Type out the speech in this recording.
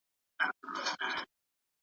هر عمر ته درناوی وکړئ.